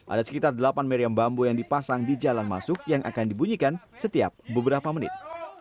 ada sekitar delapan meriam bambu yang dipasang di jalan masuk yang akan dibunyikan setiap beberapa menit